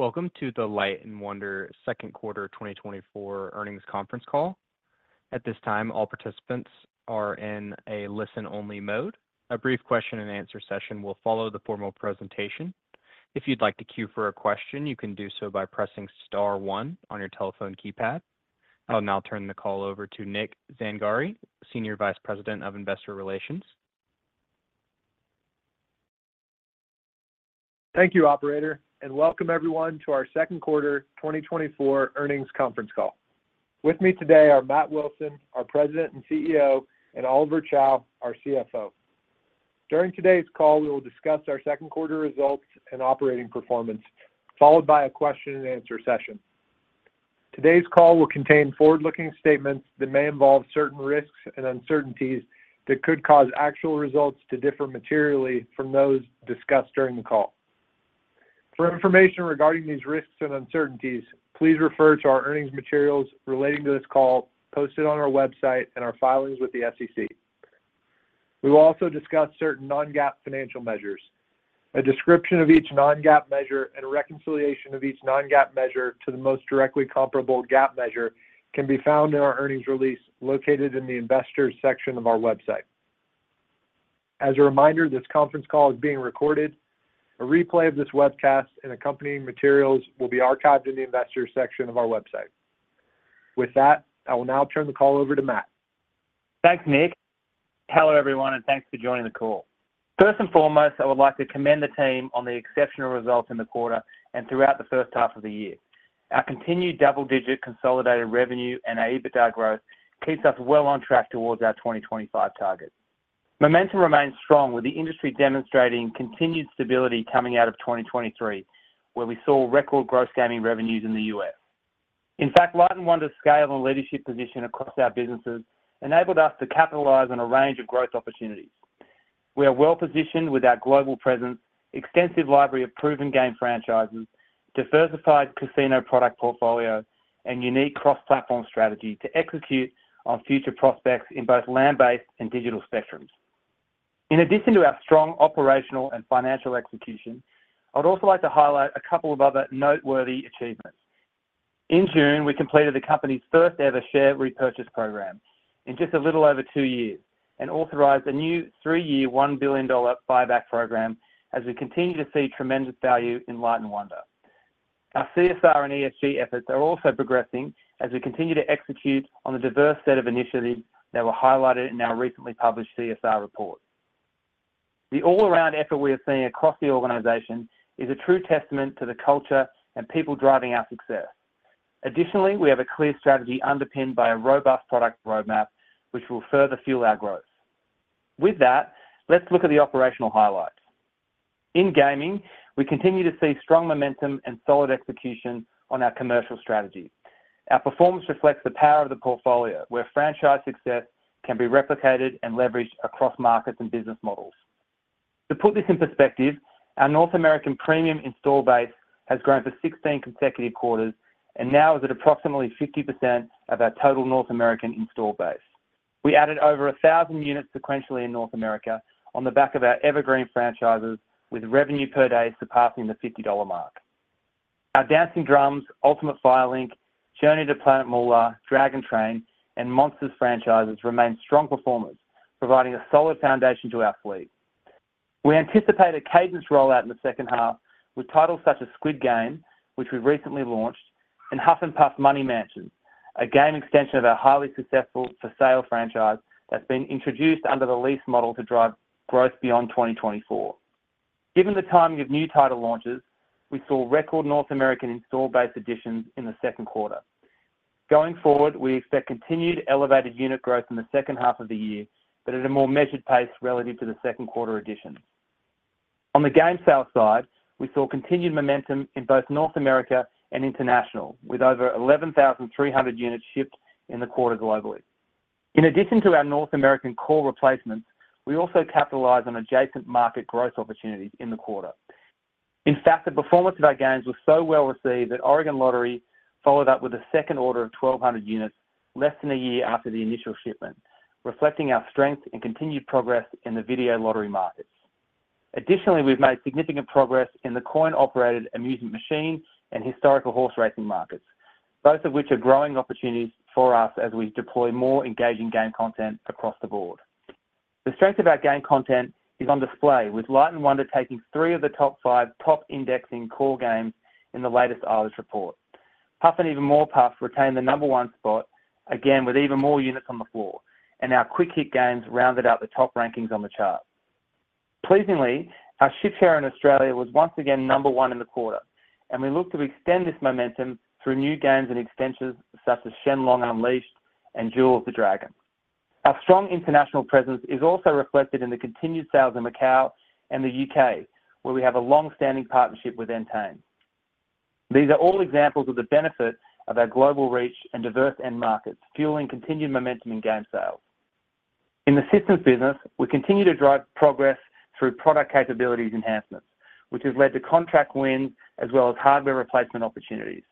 Welcome to the Light & Wonder Second Quarter 2024 Earnings Conference Call. At this time, all participants are in a listen-only mode. A brief question-and-answer session will follow the formal presentation. If you'd like to queue for a question, you can do so by pressing star one on your telephone keypad. I'll now turn the call over to Nick Zangari, Senior Vice President of Investor Relations. Thank you, operator, and welcome everyone to our second quarter 2024 earnings conference call. With me today are Matt Wilson, our President and CEO, and Oliver Chow, our CFO. During today's call, we will discuss our second quarter results and operating performance, followed by a question-and-answer session. Today's call will contain forward-looking statements that may involve certain risks and uncertainties that could cause actual results to differ materially from those discussed during the call. For information regarding these risks and uncertainties, please refer to our earnings materials relating to this call posted on our website and our filings with the SEC. We will also discuss certain non-GAAP financial measures. A description of each non-GAAP measure and a reconciliation of each non-GAAP measure to the most directly comparable GAAP measure can be found in our earnings release located in the Investors section of our website. As a reminder, this conference call is being recorded. A replay of this webcast and accompanying materials will be archived in the Investors section of our website. With that, I will now turn the call over to Matt. Thanks, Nick. Hello everyone, and thanks for joining the call. First and foremost, I would like to commend the team on the exceptional results in the quarter and throughout the first half of the year. Our continued double-digit consolidated revenue and EBITDA growth keeps us well on track towards our 2025 target. Momentum remains strong, with the industry demonstrating continued stability coming out of 2023, where we saw record gross gaming revenues in the U.S. In fact, Light & Wonder's scale and leadership position across our businesses enabled us to capitalize on a range of growth opportunities. We are well-positioned with our global presence, extensive library of proven game franchises, diversified casino product portfolio, and unique cross-platform strategy to execute on future prospects in both land-based and digital spectrums. In addition to our strong operational and financial execution, I'd also like to highlight a couple of other noteworthy achievements. In June, we completed the company's first-ever share repurchase program in just a little over two years and authorized a new three-year, $1 billion buyback program as we continue to see tremendous value in Light & Wonder. Our CSR and ESG efforts are also progressing as we continue to execute on the diverse set of initiatives that were highlighted in our recently published CSR report. The all-around effort we are seeing across the organization is a true testament to the culture and people driving our success. Additionally, we have a clear strategy underpinned by a robust product roadmap, which will further fuel our growth. With that, let's look at the operational highlights. In gaming, we continue to see strong momentum and solid execution on our commercial strategy. Our performance reflects the power of the portfolio, where franchise success can be replicated and leveraged across markets and business models. To put this in perspective, our North American premium install base has grown for 16 consecutive quarters and now is at approximately 50% of our total North American install base. We added over 1,000 units sequentially in North America on the back of our evergreen franchises, with revenue per day surpassing the $50 mark. Our Dancing Drums, Ultimate Fire Link, Journey to Planet Moolah, Dragon Train, and Monsters franchises remain strong performers, providing a solid foundation to our fleet. We anticipate a cadence rollout in the second half with titles such as Squid Game, which we recently launched, and Huff N' Puff Money Mansion, a game extension of our highly successful for-sale franchise that's been introduced under the lease model to drive growth beyond 2024. Given the timing of new title launches, we saw record North American install base additions in the second quarter. Going forward, we expect continued elevated unit growth in the second half of the year, but at a more measured pace relative to the second quarter addition. On the game sales side, we saw continued momentum in both North America and international, with over 11,300 units shipped in the quarter globally. In addition to our North American core replacements, we also capitalized on adjacent market growth opportunities in the quarter. In fact, the performance of our games was so well-received that Oregon Lottery followed up with a second order of 1,200 units less than a year after the initial shipment, reflecting our strength and continued progress in the video lottery markets. Additionally, we've made significant progress in the coin-operated amusement machine and historical horse racing markets, both of which are growing opportunities for us as we deploy more engaging game content across the board. The strength of our game content is on display, with Light & Wonder taking three of the top five top indexing core games in the latest Eilers report. Huff N' Even More Puff retained the number one spot, again with even more units on the floor, and our Quick Hit games rounded out the top rankings on the chart. Pleasingly, our share in Australia was once again number one in the quarter, and we look to extend this momentum through new games and extensions such as Shenlong Unleashed and Jewel of the Dragon. Our strong international presence is also reflected in the continued sales in Macau and the UK, where we have a long-standing partnership with Entain. These are all examples of the benefit of our global reach and diverse end markets, fueling continued momentum in game sales. In the systems business, we continue to drive progress through product capabilities enhancements, which has led to contract wins as well as hardware replacement opportunities.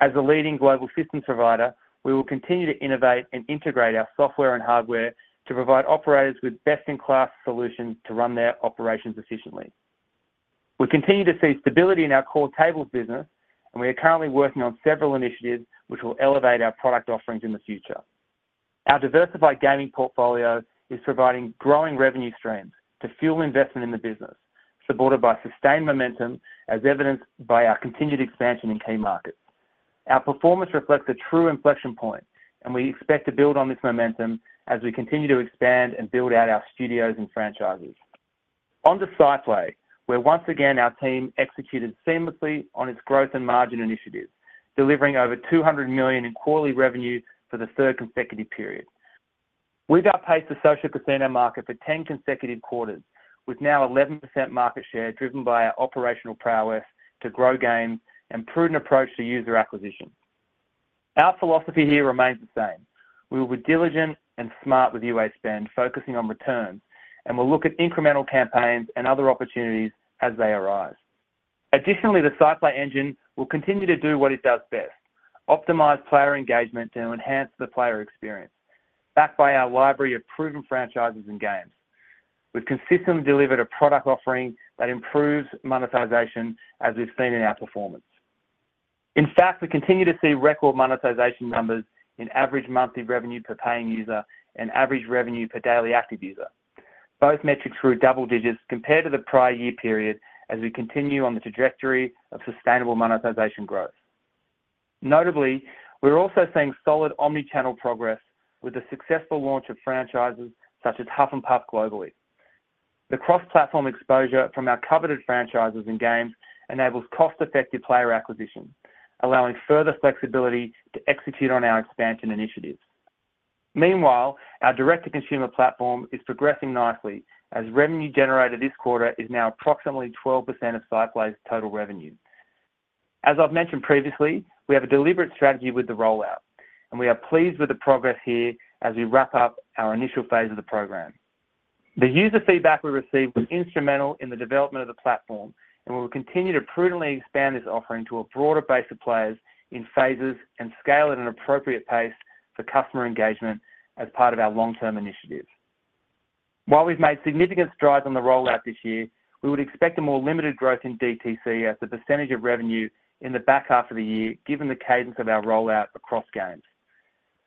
As a leading global systems provider, we will continue to innovate and integrate our software and hardware to provide operators with best-in-class solutions to run their operations efficiently. We continue to see stability in our core tables business, and we are currently working on several initiatives which will elevate our product offerings in the future. Our diversified gaming portfolio is providing growing revenue streams to fuel investment in the business, supported by sustained momentum, as evidenced by our continued expansion in key markets. Our performance reflects a true inflection point, and we expect to build on this momentum as we continue to expand and build out our studios and franchises. On to SciPlay, where once again, our team executed seamlessly on its growth and margin initiatives, delivering over $200 million in quarterly revenue for the third consecutive period. We've outpaced the social casino market for 10 consecutive quarters, with now 11% market share, driven by our operational prowess to grow games and prudent approach to user acquisition. Our philosophy here remains the same. We will be diligent and smart with UA spend, focusing on returns, and we'll look at incremental campaigns and other opportunities as they arise. Additionally, the SciPlay Engine will continue to do what it does best, optimize player engagement and enhance the player experience, backed by our library of proven franchises and games. We've consistently delivered a product offering that improves monetization, as we've seen in our performance. In fact, we continue to see record monetization numbers in average monthly revenue per paying user and average revenue per daily active user. Both metrics grew double digits compared to the prior year period as we continue on the trajectory of sustainable monetization growth. Notably, we're also seeing solid omni-channel progress with the successful launch of franchises such as Huff N' Puff globally. The cross-platform exposure from our coveted franchises and games enables cost-effective player acquisition, allowing further flexibility to execute on our expansion initiatives. Meanwhile, our direct-to-consumer platform is progressing nicely, as revenue generated this quarter is now approximately 12% of SciPlay's total revenue. As I've mentioned previously, we have a deliberate strategy with the rollout, and we are pleased with the progress here as we wrap up our initial phase of the program. The user feedback we received was instrumental in the development of the platform, and we will continue to prudently expand this offering to a broader base of players in phases and scale at an appropriate pace for customer engagement as part of our long-term initiative. While we've made significant strides on the rollout this year, we would expect a more limited growth in DTC as a percentage of revenue in the back half of the year, given the cadence of our rollout across games.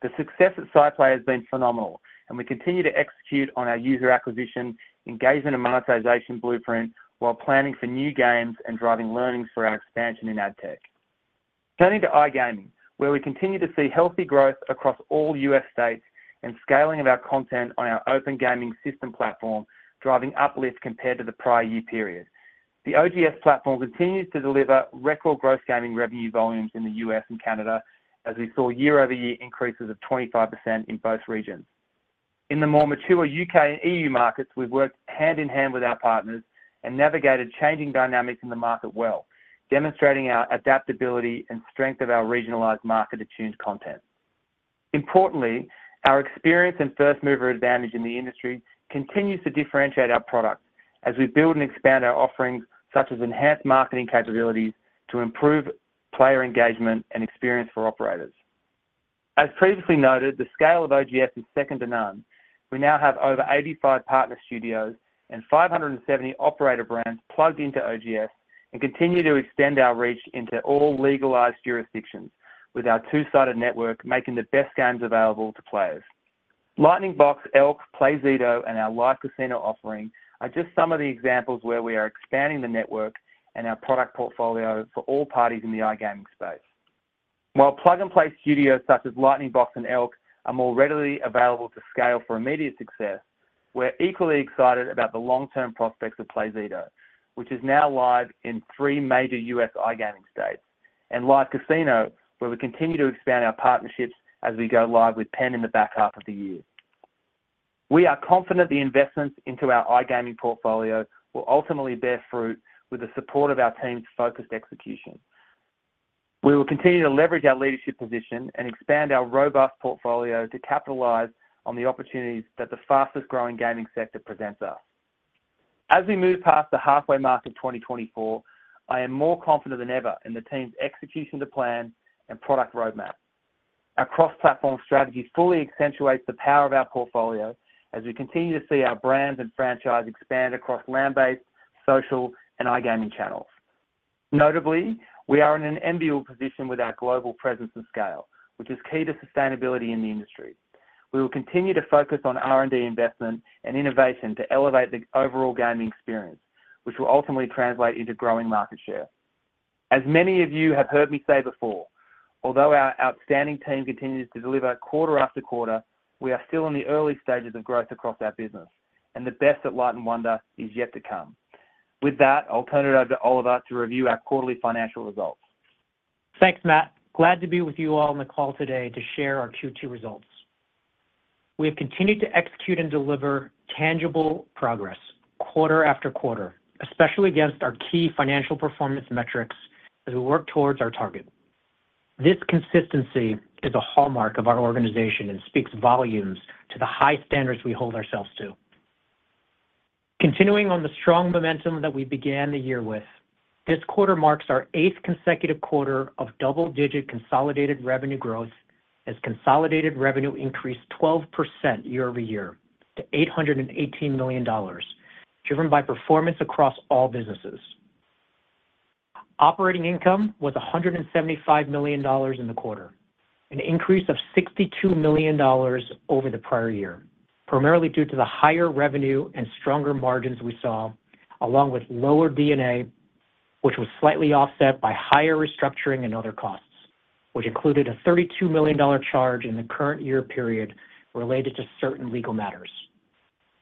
The success at SciPlay has been phenomenal, and we continue to execute on our user acquisition, engagement, and monetization blueprint while planning for new games and driving learnings for our expansion in ad tech. Turning to iGaming, where we continue to see healthy growth across all U.S. states and scaling of our content on our Open Gaming System platform, driving uplift compared to the prior year period. The OGS platform continues to deliver record gross gaming revenue volumes in the U.S. and Canada, as we saw year-over-year increases of 25% in both regions. In the more mature U.K. and E.U. markets, we've worked hand-in-hand with our partners and navigated changing dynamics in the market well, demonstrating our adaptability and strength of our regionalized market-attuned content. Importantly, our experience and first-mover advantage in the industry continues to differentiate our products as we build and expand our offerings, such as enhanced marketing capabilities to improve player engagement and experience for operators. As previously noted, the scale of OGS is second to none. We now have over 85 partner studios and 570 operator brands plugged into OGS and continue to extend our reach into all legalized jurisdictions, with our two-sided network making the best games available to players. Lightning Box, Elk, Playzido, and our Live Casino offering are just some of the examples where we are expanding the network and our product portfolio for all parties in the iGaming space. While plug-and-play studios such as Lightning Box and Elk are more readily available to scale for immediate success, we're equally excited about the long-term prospects of Playzido, which is now live in three major U.S. iGaming states, and Live Casino, where we continue to expand our partnerships as we go live with Penn in the back half of the year. We are confident the investments into our iGaming portfolio will ultimately bear fruit with the support of our team's focused execution. We will continue to leverage our leadership position and expand our robust portfolio to capitalize on the opportunities that the fastest-growing gaming sector presents us. As we move past the halfway mark of 2024, I am more confident than ever in the team's execution to plan and product roadmap. Our cross-platform strategy fully accentuates the power of our portfolio as we continue to see our brands and franchise expand across land-based, social, and iGaming channels. Notably, we are in an enviable position with our global presence and scale, which is key to sustainability in the industry. We will continue to focus on R&D investment and innovation to elevate the overall gaming experience, which will ultimately translate into growing market share. As many of you have heard me say before, although our outstanding team continues to deliver quarter after quarter, we are still in the early stages of growth across our business, and the best at Light & Wonder is yet to come. With that, I'll turn it over to Oliver to review our quarterly financial results. Thanks, Matt. Glad to be with you all on the call today to share our Q2 results. We have continued to execute and deliver tangible progress quarter after quarter, especially against our key financial performance metrics as we work towards our target. This consistency is a hallmark of our organization and speaks volumes to the high standards we hold ourselves to. Continuing on the strong momentum that we began the year with, this quarter marks our eighth consecutive quarter of double-digit consolidated revenue growth, as consolidated revenue increased 12% year-over-year to $818 million, driven by performance across all businesses. Operating income was $175 million in the quarter, an increase of $62 million over the prior year, primarily due to the higher revenue and stronger margins we saw, along with lower D&A, which was slightly offset by higher restructuring and other costs, which included a $32 million charge in the current year period related to certain legal matters.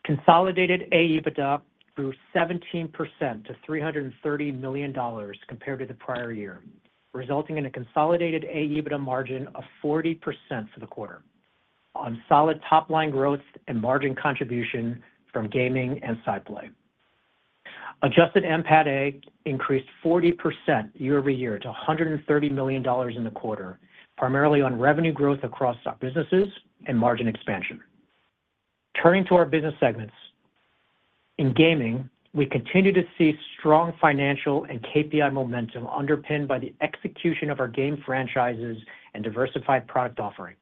Consolidated AEBITDA grew 17% to $330 million compared to the prior year, resulting in a consolidated AEBITDA margin of 40% for the quarter on solid top-line growth and margin contribution from gaming and SciPlay. Adjusted NPATA increased 40% year-over-year to $130 million in the quarter, primarily on revenue growth across our businesses and margin expansion. Turning to our business segments. In gaming, we continue to see strong financial and KPI momentum underpinned by the execution of our game franchises and diversified product offering.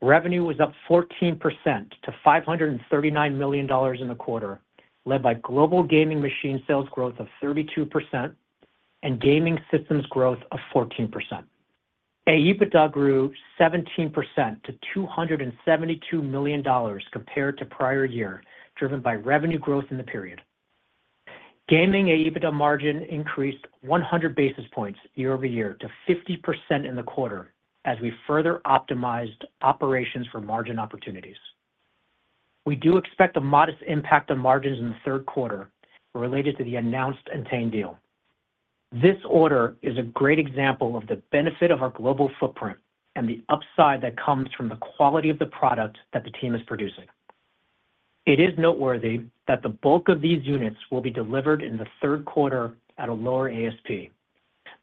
Revenue was up 14% to $539 million in the quarter, led by global gaming machine sales growth of 32% and gaming systems growth of 14%. AEBITDA grew 17% to $272 million compared to prior year, driven by revenue growth in the period. Gaming AEBITDA margin increased 100 basis points year-over-year to 50% in the quarter as we further optimized operations for margin opportunities. We do expect a modest impact on margins in the third quarter related to the announced Entain deal. This order is a great example of the benefit of our global footprint and the upside that comes from the quality of the product that the team is producing. It is noteworthy that the bulk of these units will be delivered in the third quarter at a lower ASP,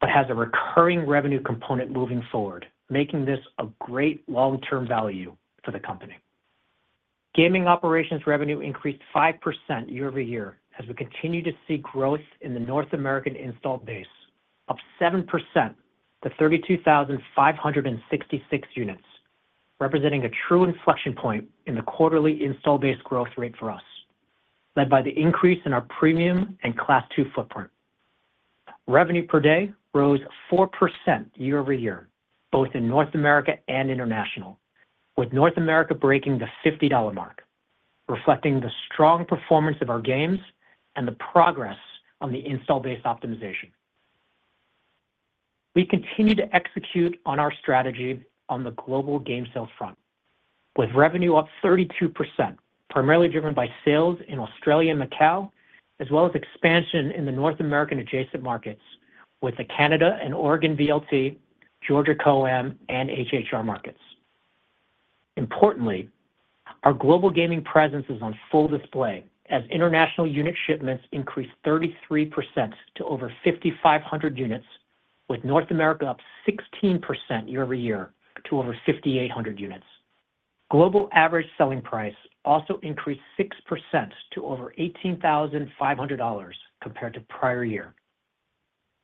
but has a recurring revenue component moving forward, making this a great long-term value for the company. Gaming operations revenue increased 5% year-over-year as we continue to see growth in the North American installed base of 7% to 32,566 units, representing a true inflection point in the quarterly install base growth rate for us, led by the increase in our premium and Class II footprint. Revenue per day rose 4% year-over-year, both in North America and international, with North America breaking the $50 mark, reflecting the strong performance of our games and the progress on the install base optimization. We continue to execute on our strategy on the global game sales front, with revenue up 32%, primarily driven by sales in Australia and Macau, as well as expansion in the North American adjacent markets with the Canada and Oregon VLT, Georgia COAM, and HHR markets. Importantly, our global gaming presence is on full display as international unit shipments increased 33% to over 5,500 units, with North America up 16% year-over-year to over 5,800 units. Global average selling price also increased 6% to over $18,500 compared to prior year.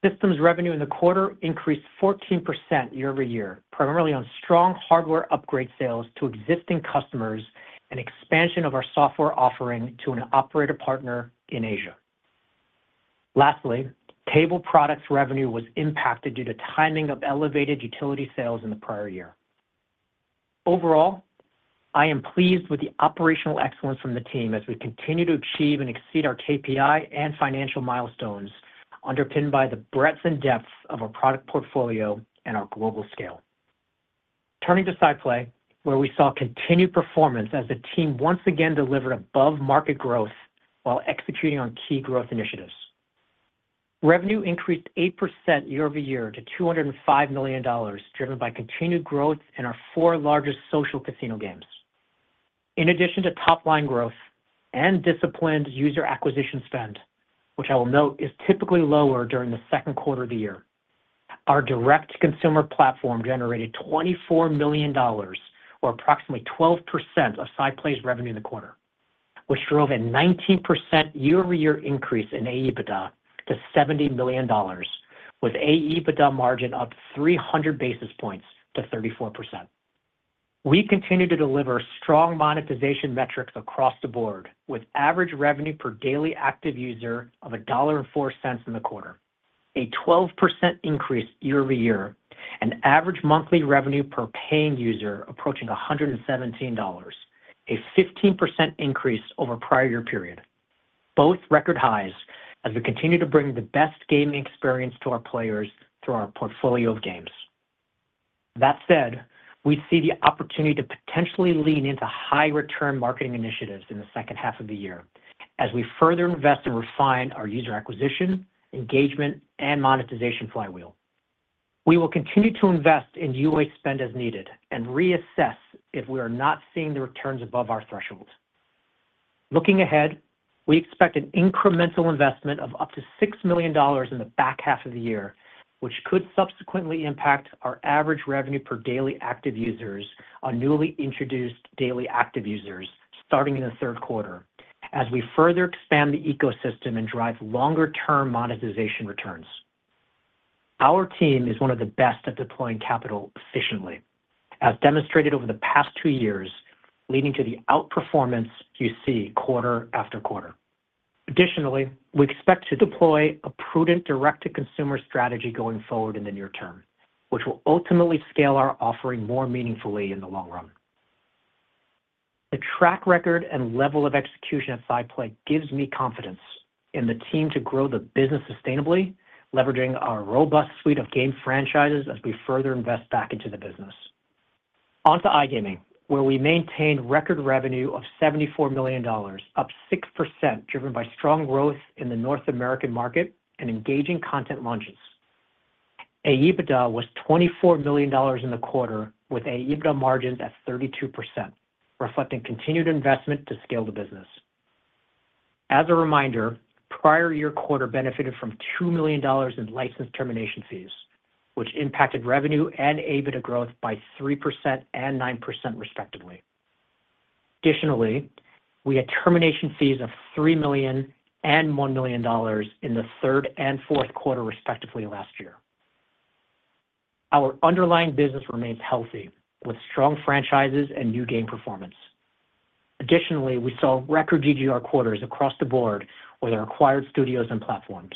Systems revenue in the quarter increased 14% year-over-year, primarily on strong hardware upgrade sales to existing customers and expansion of our software offering to an operator partner in Asia. Lastly, table products revenue was impacted due to timing of elevated utility sales in the prior year. Overall, I am pleased with the operational excellence from the team as we continue to achieve and exceed our KPI and financial milestones, underpinned by the breadth and depth of our product portfolio and our global scale. Turning to SciPlay, where we saw continued performance as the team once again delivered above-market growth while executing on key growth initiatives. Revenue increased 8% year-over-year to $205 million, driven by continued growth in our four largest social casino games. In addition to top-line growth and disciplined user acquisition spend, which I will note is typically lower during the second quarter of the year, our direct-to-consumer platform generated $24 million or approximately 12% of SciPlay's revenue in the quarter, which drove a 19% year-over-year increase in AEBITDA to $70 million, with AEBITDA margin up 300 basis points to 34%. We continue to deliver strong monetization metrics across the board, with average revenue per daily active user of $1.04 in the quarter, a 12% increase year-over-year, and average monthly revenue per paying user approaching $117, a 15% increase over prior-year period. Both record highs as we continue to bring the best gaming experience to our players through our portfolio of games. That said, we see the opportunity to potentially lean into high-return marketing initiatives in the second half of the year as we further invest and refine our user acquisition, engagement, and monetization flywheel. We will continue to invest in UA spend as needed and reassess if we are not seeing the returns above our threshold. Looking ahead, we expect an incremental investment of up to $6 million in the back half of the year, which could subsequently impact our average revenue per daily active users on newly introduced daily active users starting in the third quarter as we further expand the ecosystem and drive longer-term monetization returns. Our team is one of the best at deploying capital efficiently, as demonstrated over the past two years, leading to the outperformance you see quarter after quarter. Additionally, we expect to deploy a prudent direct-to-consumer strategy going forward in the near term, which will ultimately scale our offering more meaningfully in the long run. The track record and level of execution at SciPlay gives me confidence in the team to grow the business sustainably, leveraging our robust suite of game franchises as we further invest back into the business. On to iGaming, where we maintained record revenue of $74 million, up 6%, driven by strong growth in the North American market and engaging content launches. AEBITDA was $24 million in the quarter, with AEBITDA margins at 32%, reflecting continued investment to scale the business. As a reminder, prior-year quarter benefited from $2 million in license termination fees, which impacted revenue and AEBITDA growth by 3% and 9%, respectively. Additionally, we had termination fees of $3 million and $1 million in the third and fourth quarter, respectively, last year. Our underlying business remains healthy, with strong franchises and new game performance. Additionally, we saw record GGR quarters across the board with our acquired studios and platforms.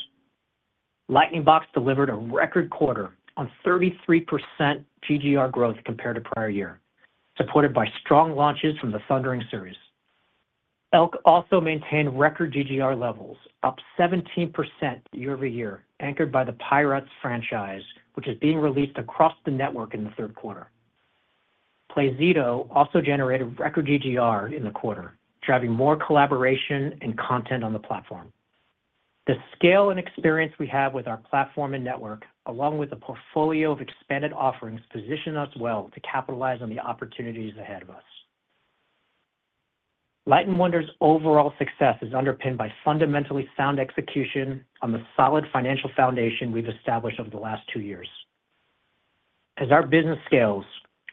Lightning Box delivered a record quarter on 33% GGR growth compared to prior-year, supported by strong launches from the Thundering series. Elk also maintained record GGR levels, up 17% year-over-year, anchored by the Pirots franchise, which is being released across the network in the third quarter. Playzido also generated record GGR in the quarter, driving more collaboration and content on the platform. The scale and experience we have with our platform and network, along with a portfolio of expanded offerings, position us well to capitalize on the opportunities ahead of us. Light & Wonder's overall success is underpinned by fundamentally sound execution on the solid financial foundation we've established over the last two years. As our business scales,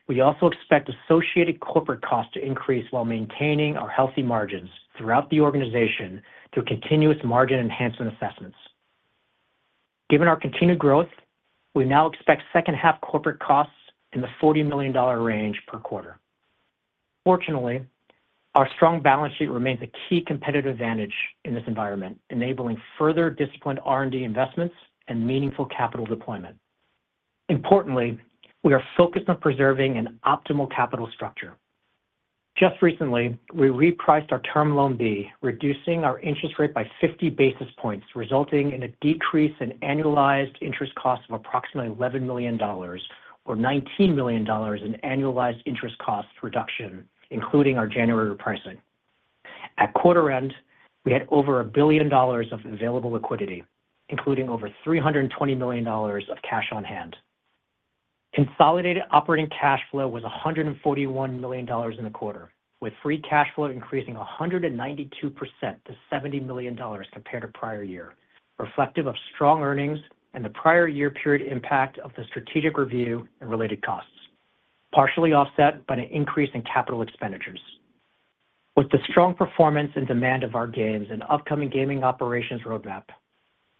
we also expect associated corporate costs to increase while maintaining our healthy margins throughout the organization through continuous margin enhancement assessments. Given our continued growth, we now expect second half corporate costs in the $40 million range per quarter. Fortunately, our strong balance sheet remains a key competitive advantage in this environment, enabling further disciplined R&D investments and meaningful capital deployment. Importantly, we are focused on preserving an optimal capital structure. Just recently, we repriced our Term Loan B, reducing our interest rate by 50 basis points, resulting in a decrease in annualized interest costs of approximately $11 million or $19 million in annualized interest cost reduction, including our January pricing. At quarter end, we had over $1 billion of available liquidity, including over $320 million of cash on hand. Consolidated operating cash flow was $141 million in the quarter, with free cash flow increasing 192% to $70 million compared to prior year, reflective of strong earnings and the prior year period impact of the strategic review and related costs, partially offset by an increase in capital expenditures. With the strong performance and demand of our games and upcoming gaming operations roadmap,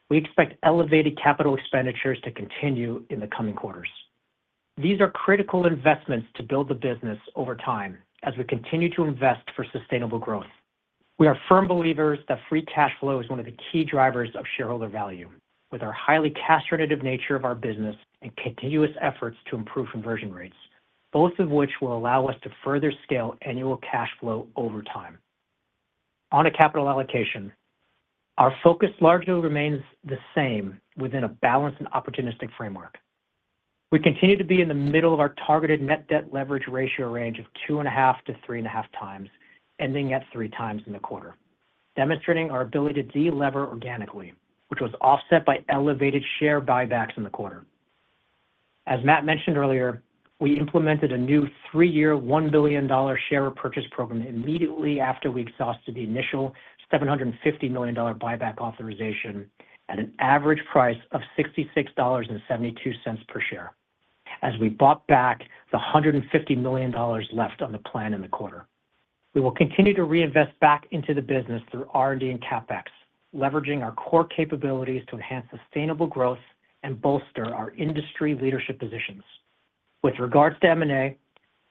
we expect elevated capital expenditures to continue in the coming quarters. These are critical investments to build the business over time as we continue to invest for sustainable growth. We are firm believers that free cash flow is one of the key drivers of shareholder value, with our highly cash generative nature of our business and continuous efforts to improve conversion rates, both of which will allow us to further scale annual cash flow over time. On a capital allocation, our focus largely remains the same within a balanced and opportunistic framework. We continue to be in the middle of our targeted net debt leverage ratio range of 2.5x-3.5x, ending at 3x in the quarter, demonstrating our ability to delever organically, which was offset by elevated share buybacks in the quarter. As Matt mentioned earlier, we implemented a new 3-year, $1 billion share repurchase program immediately after we exhausted the initial $750 million buyback authorization at an average price of $66.72 per share, as we bought back the $150 million left on the plan in the quarter. We will continue to reinvest back into the business through R&D and CapEx, leveraging our core capabilities to enhance sustainable growth and bolster our industry leadership positions. With regards to M&A,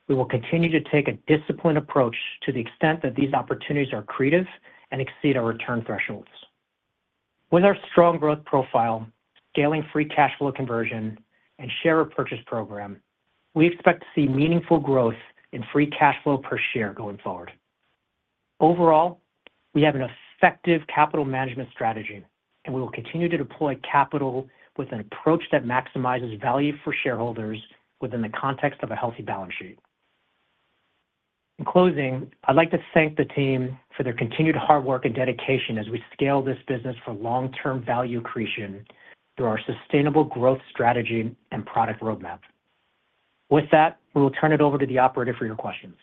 we will continue to take a disciplined approach to the extent that these opportunities are accretive and exceed our return thresholds. With our strong growth profile, scaling free cash flow conversion, and share repurchase program, we expect to see meaningful growth in free cash flow per share going forward. Overall, we have an effective capital management strategy, and we will continue to deploy capital with an approach that maximizes value for shareholders within the context of a healthy balance sheet. In closing, I'd like to thank the team for their continued hard work and dedication as we scale this business for long-term value creation through our sustainable growth strategy and product roadmap. With that, we will turn it over to the operator for your questions.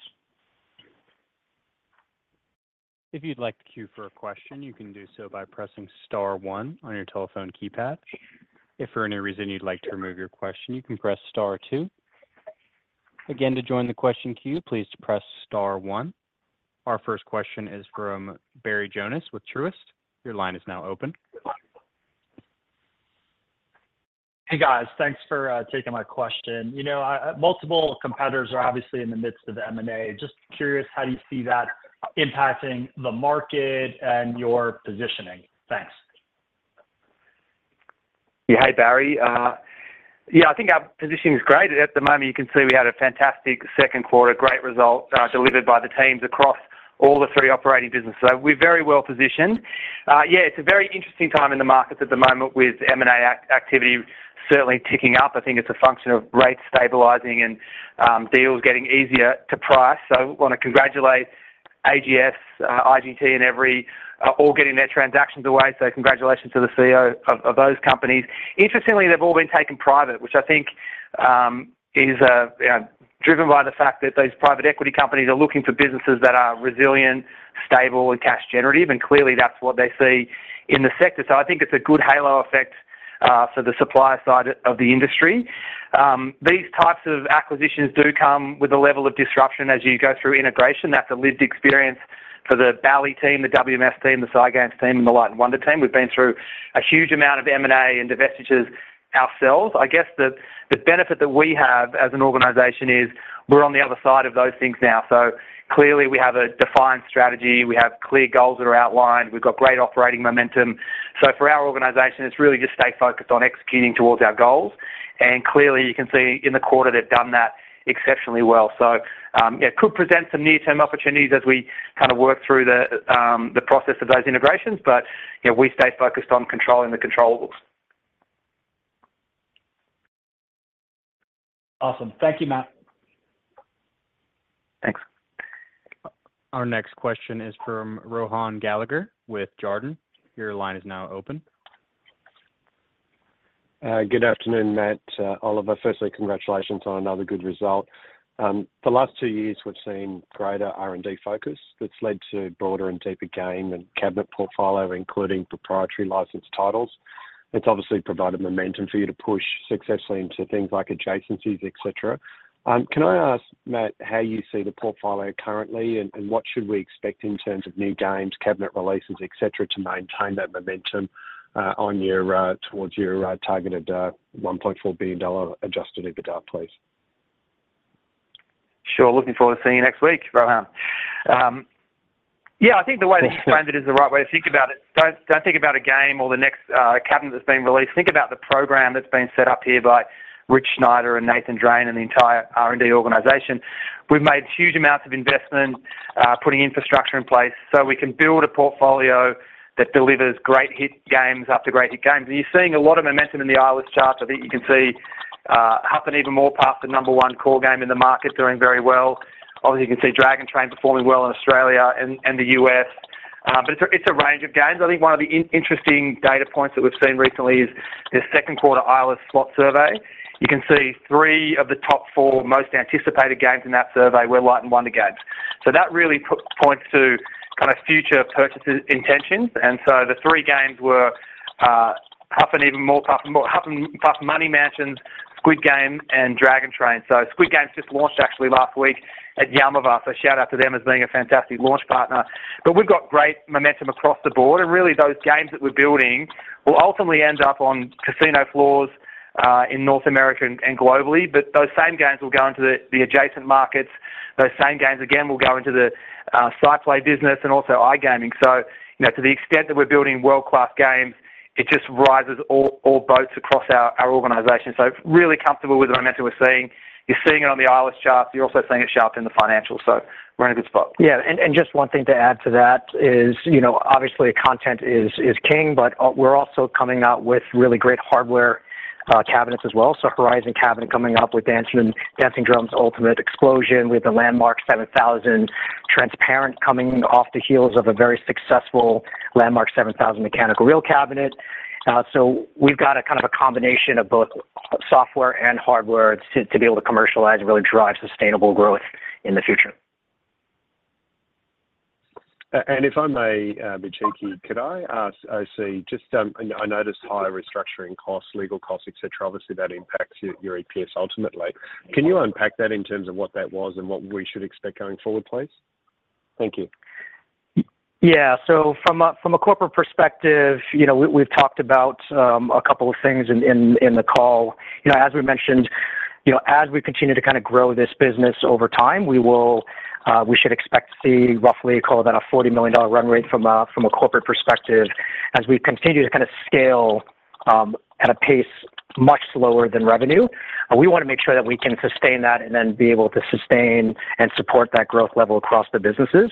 If you'd like to queue for a question, you can do so by pressing star one on your telephone keypad. If for any reason you'd like to remove your question, you can press star two. Again, to join the question queue, please press star one. Our first question is from Barry Jonas with Truist. Your line is now open. Hey, guys. Thanks for taking my question. You know, multiple competitors are obviously in the midst of the M&A. Just curious, how do you see that impacting the market and your positioning? Thanks. Yeah. Hey, Barry. Yeah, I think our positioning is great. At the moment, you can see we had a fantastic second quarter, great results, delivered by the teams across all the three operating businesses. So we're very well positioned. Yeah, it's a very interesting time in the markets at the moment with M&A activity certainly ticking up. I think it's a function of rates stabilizing and, deals getting easier to price. So want to congratulate AGS, IGT, and Everi, all getting their transactions away, so congratulations to the CEO of those companies. Interestingly, they've all been taken private, which I think, is driven by the fact that those private equity companies are looking for businesses that are resilient, stable, and cash generative, and clearly, that's what they see in the sector. So I think it's a good halo effect for the supplier side of the industry. These types of acquisitions do come with a level of disruption as you go through integration. That's a lived experience for the Bally team, the WMS team, the SciGames team, and the Light & Wonder team. We've been through a huge amount of M&A and divestitures ourselves. I guess the benefit that we have as an organization is we're on the other side of those things now. So clearly, we have a defined strategy. We have clear goals that are outlined. We've got great operating momentum. So for our organization, it's really just stay focused on executing towards our goals. And clearly, you can see in the quarter, they've done that exceptionally well. Yeah, it could present some near-term opportunities as we kind of work through the process of those integrations, but, you know, we stay focused on controlling the controllables. Awesome. Thank you, Matt. Thanks. Our next question is from Rohan Gallagher with Jarden. Your line is now open. Good afternoon, Matt, Oliver. Firstly, congratulations on another good result. The last two years, we've seen greater R&D focus that's led to broader and deeper game and cabinet portfolio, including proprietary licensed titles. It's obviously provided momentum for you to push successfully into things like adjacencies, et cetera. Can I ask, Matt, how you see the portfolio currently, and what should we expect in terms of new games, cabinet releases, et cetera, to maintain that momentum, towards your targeted $1.4 billion adjusted EBITDA, please? Sure. Looking forward to seeing you next week, Rohan. Yeah, I think the way to frame it is the right way to think about it. Don't, don't think about a game or the next cabinet that's been released. Think about the program that's been set up here by Rich Schneider and Nathan Drane and the entire R&D organization. We've made huge amounts of investment, putting infrastructure in place so we can build a portfolio that delivers great hit games after great hit games. And you're seeing a lot of momentum in the Eilers chart. I think you can see, Huff N' Even More Puff, the number one core game in the market, doing very well. Obviously, you can see Dragon Train performing well in Australia and the U.S. But it's a range of games. I think one of the interesting data points that we've seen recently is the second quarter Eilers slot survey. You can see three of the top four most anticipated games in that survey were Light & Wonder games. So that really put points to kind of future purchases intentions, and so the three games were Huff N' Even More Puff, Huff N' Puff Money Mansion, Squid Game, and Dragon Train. So Squid Game just launched actually last week at Yaamava, so shout out to them as being a fantastic launch partner. But we've got great momentum across the board, and really, those games that we're building will ultimately end up on casino floors in North America and globally. But those same games will go into the adjacent markets. Those same games, again, will go into the SciPlay business and also iGaming. So, you know, to the extent that we're building world-class games, it just rises all, all boats across our, our organization. So really comfortable with the momentum we're seeing. You're seeing it on the Eilers chart, you're also seeing it show up in the financials, so we're in a good spot. Yeah, and just one thing to add to that is, you know, obviously, content is king, but we're also coming out with really great hardware cabinets as well. So Horizon cabinet coming up with Dancing Drums Ultimate Explosion. We have the Landmark 7000 Transparent coming off the heels of a very successful Landmark 7000 mechanical reel cabinet. So we've got a kind of a combination of both software and hardware to be able to commercialize and really drive sustainable growth in the future. And if I may be cheeky, could I ask, OC, just, I noticed higher restructuring costs, legal costs, et cetera. Obviously, that impacts your EPS ultimately. Can you unpack that in terms of what that was and what we should expect going forward, please? Thank you. Yeah. So from a corporate perspective, you know, we, we've talked about a couple of things in the call. You know, as we mentioned, you know, as we continue to kind of grow this business over time, we will, we should expect to see roughly call it about a $40 million run rate from a corporate perspective, as we continue to kind of scale at a pace much slower than revenue. We want to make sure that we can sustain that and then be able to sustain and support that growth level across the businesses.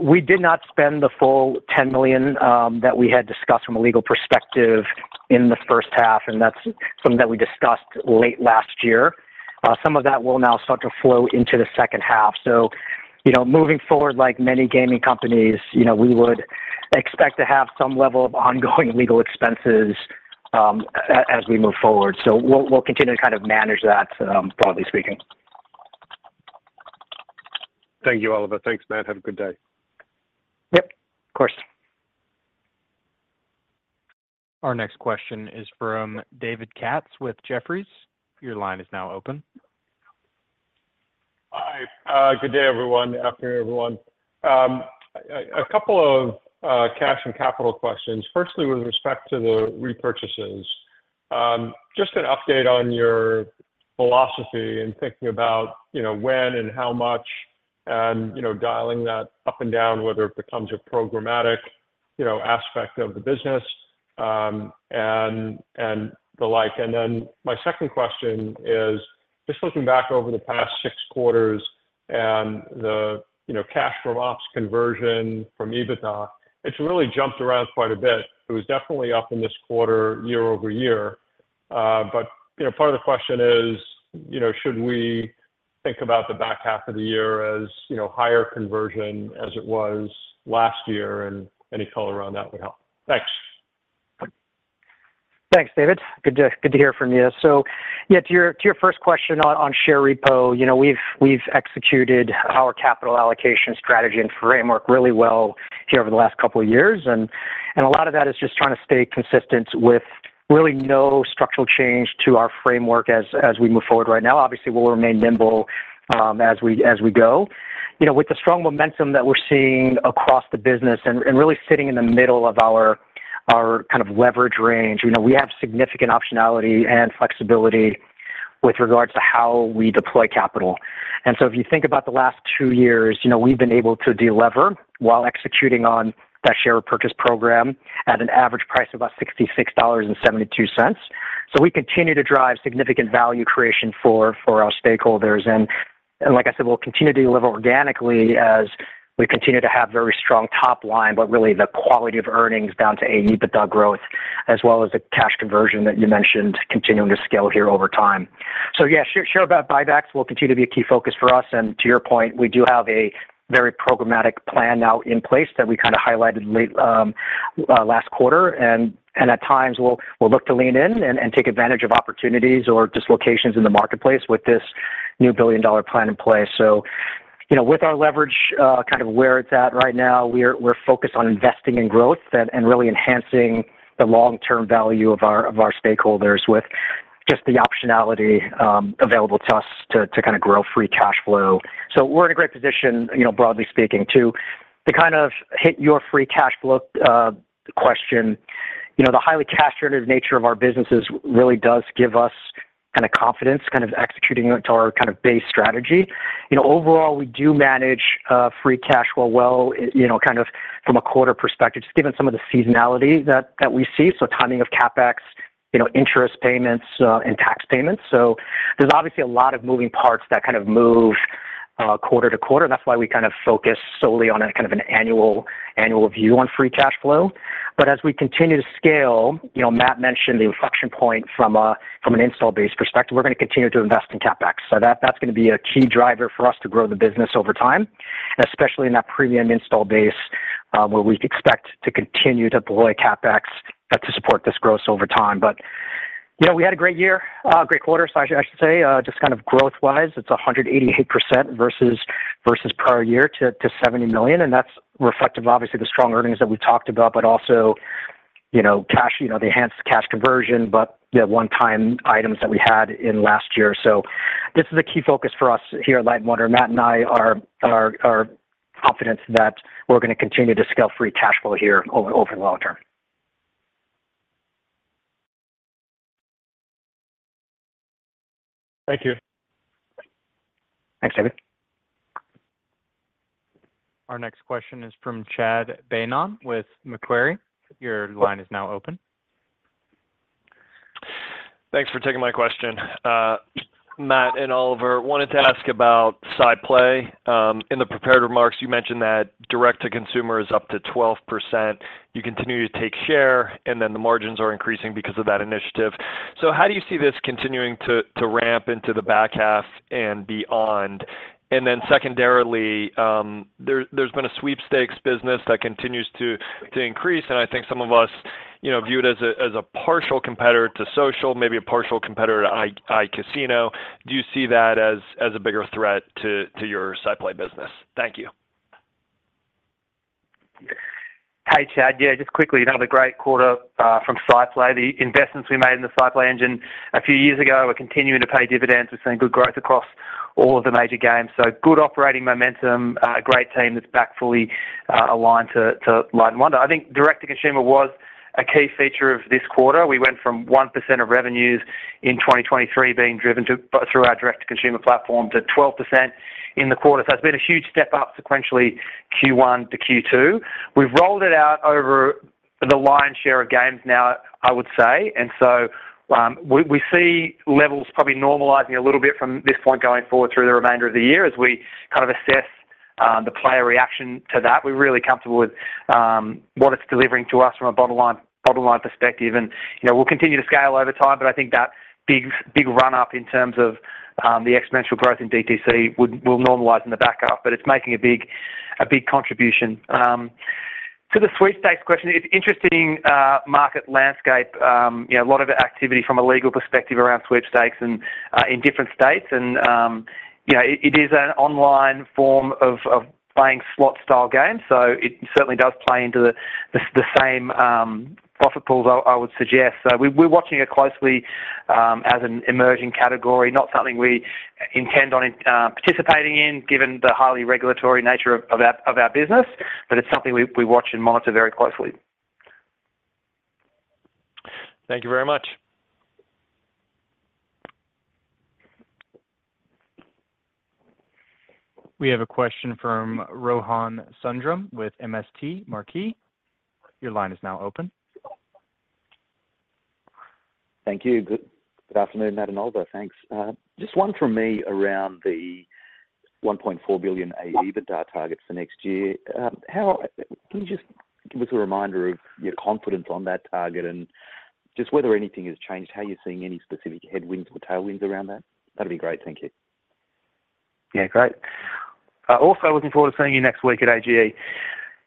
We did not spend the full $10 million that we had discussed from a legal perspective in the first half, and that's something that we discussed late last year. Some of that will now start to flow into the second half. So, you know, moving forward, like many gaming companies, you know, we would expect to have some level of ongoing legal expenses, as we move forward. So we'll continue to kind of manage that, broadly speaking. Thank you, Oliver. Thanks, Matt. Have a good day. Yep. Of course. Our next question is from David Katz with Jefferies. Your line is now open. Hi. Good day, everyone. Afternoon, everyone. A couple of cash and capital questions. Firstly, with respect to the repurchases, just an update on your philosophy in thinking about, you know, when and how much and, you know, dialing that up and down, whether it becomes a programmatic, you know, aspect of the business, and the like. And then my second question is, just looking back over the past six quarters and the, you know, cash from ops conversion from EBITDA, it's really jumped around quite a bit. It was definitely up in this quarter, year-over-year. But, you know, part of the question is, you know, should we think about the back half of the year as, you know, higher conversion as it was last year? And any color around that would help. Thanks. Thanks, David. Good to hear from you. So, yeah, to your first question on share repo, you know, we've executed our capital allocation strategy and framework really well here over the last couple of years, and a lot of that is just trying to stay consistent with really no structural change to our framework as we move forward right now. Obviously, we'll remain nimble as we go. You know, with the strong momentum that we're seeing across the business and really sitting in the middle of our kind of leverage range, you know, we have significant optionality and flexibility with regards to how we deploy capital. And so if you think about the last two years, you know, we've been able to delever while executing on that share purchase program at an average price of about $66.72. So we continue to drive significant value creation for our stakeholders. And like I said, we'll continue to deliver organically as we continue to have very strong top line, but really the quality of earnings down to AEBITDA growth, as well as the cash conversion that you mentioned, continuing to scale here over time. So yes, share buybacks will continue to be a key focus for us, and to your point, we do have a very programmatic plan now in place that we kind of highlighted late last quarter. At times, we'll look to lean in and take advantage of opportunities or dislocations in the marketplace with this new billion-dollar plan in place. So, you know, with our leverage kind of where it's at right now, we're focused on investing in growth and really enhancing the long-term value of our stakeholders with just the optionality available to us to kind of grow free cash flow. So we're in a great position, you know, broadly speaking. To kind of hit your free cash flow question, you know, the highly cash-oriented nature of our businesses really does give us kind of confidence kind of executing to our kind of base strategy. You know, overall, we do manage free cash flow well, you know, kind of from a quarter perspective, just given some of the seasonality that, that we see, so timing of CapEx, you know, interest payments, and tax payments. So there's obviously a lot of moving parts that kind of move quarter to quarter. That's why we kind of focus solely on a kind of an annual, annual view on free cash flow. But as we continue to scale, you know, Matt mentioned the inflection point from an install base perspective. We're going to continue to invest in CapEx. So that's going to be a key driver for us to grow the business over time, and especially in that premium install base, where we expect to continue to deploy CapEx to support this growth over time. You know, we had a great year, great quarter, I should, I should say, just kind of growth-wise, it's 188% versus prior year to $70 million, and that's reflective of, obviously, the strong earnings that we talked about, but also, you know, cash, you know, the enhanced cash conversion, but the one-time items that we had in last year. So this is a key focus for us here at Light & Wonder. Matt and I are, are, are confident that we're going to continue to scale free cash flow here over the long term. Thank you. Thanks, David. Our next question is from Chad Beynon with Macquarie. Your line is now open. Thanks for taking my question. Matt and Oliver, wanted to ask about SciPlay. In the prepared remarks, you mentioned that direct-to-consumer is up to 12%. You continue to take share, and then the margins are increasing because of that initiative. So how do you see this continuing to ramp into the back half and beyond? And then secondarily, there's been a sweepstakes business that continues to increase, and I think some of us, you know, view it as a partial competitor to social, maybe a partial competitor to iCasino. Do you see that as a bigger threat to your SciPlay business? Thank you. Hey, Chad. Yeah, just quickly, another great quarter from SciPlay. The investments we made in the SciPlay Engine a few years ago are continuing to pay dividends. We're seeing good growth across all of the major games. So good operating momentum, a great team that's back fully aligned to Light & Wonder. I think direct-to-consumer was a key feature of this quarter. We went from 1% of revenues in 2023 being driven through our direct-to-consumer platform, to 12% in the quarter. So it's been a huge step up sequentially, Q1 to Q2. We've rolled it out over the lion's share of games now, I would say, and so we see levels probably normalizing a little bit from this point going forward through the remainder of the year, as we kind of assess the player reaction to that. We're really comfortable with what it's delivering to us from a bottom line perspective. And, you know, we'll continue to scale over time, but I think that big run-up in terms of the exponential growth in DTC will normalize in the back half, but it's making a big, a big contribution. To the sweepstakes question, it's interesting market landscape, you know, a lot of activity from a legal perspective around sweepstakes and in different states. And yeah, it is an online form of playing slot-style games, so it certainly does play into the same profit pools, I would suggest. So we're watching it closely as an emerging category, not something we intend on participating in, given the highly regulatory nature of our business. It's something we watch and monitor very closely. Thank you very much. We have a question from Rohan Sundram with MST Marquee. Your line is now open. Thank you. Good afternoon, Matt and Oliver. Thanks. Just one from me around the $1.4 billion AEBITDA targets for next year. Can you just give us a reminder of your confidence on that target and just whether anything has changed, how you're seeing any specific headwinds or tailwinds around that? That'd be great. Thank you. Yeah, great. Also looking forward to seeing you next week at AGE.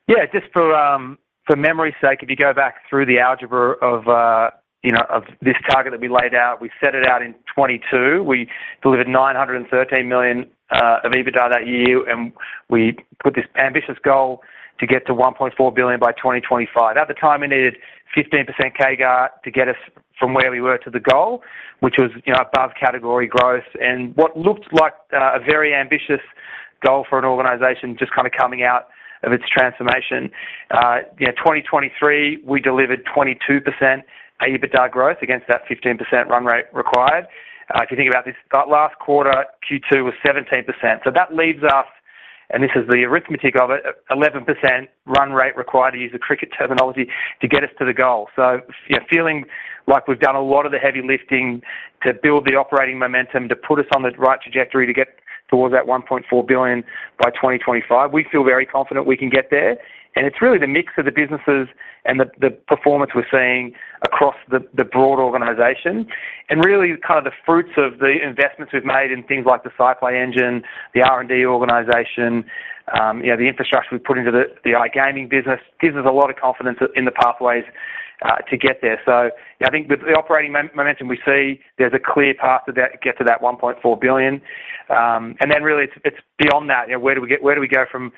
Yeah, just for, for memory's sake, if you go back through the algebra of, you know, of this target that we laid out, we set it out in 2022. We delivered $913 million of EBITDA that year, and we put this ambitious goal to get to $1.4 billion by 2025. At the time, we needed 15% CAGR to get us from where we were to the goal, which was, you know, above category growth and what looked like, a very ambitious goal for an organization just kind of coming out of its transformation. You know, 2023, we delivered 22% EBITDA growth against that 15% run rate required. If you think about this, that last quarter, Q2, was 17%. So that leaves us, and this is the arithmetic of it, 11% run rate required, to use a cricket terminology, to get us to the goal. So yeah, feeling like we've done a lot of the heavy lifting to build the operating momentum to put us on the right trajectory to get towards that $1.4 billion by 2025. We feel very confident we can get there, and it's really the mix of the businesses and the, the performance we're seeing across the, the broad organization, and really kind of the fruits of the investments we've made in things like the SciPlay Engine, the R&D organization, you know, the infrastructure we've put into the, the iGaming business, gives us a lot of confidence in the pathways to get there. I think with the operating momentum we see, there's a clear path to that, get to that $1.4 billion. And then really, it's beyond that. You know, where do we go from